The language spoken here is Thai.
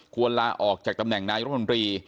ลาออกจากตำแหน่งนายรัฐมนตรี